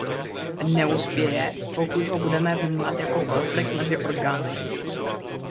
Neuspěje, pokud ho budeme vnímat jako konflikt mezi orgány.